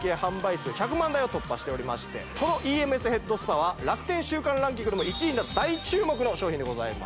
数１００万台を突破しておりましてこのＥＭＳヘッドスパは楽天週間ランキングでも１位になった大注目の商品でございます